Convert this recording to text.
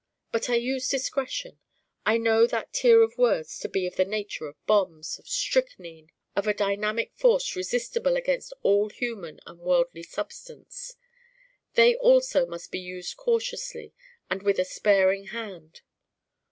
But I use discretion. I know that tier of words to be of the nature of bombs, of strychnine, of a dynamic force resistible against all human and wordly substance. They also must be used cautiously and with a sparing hand.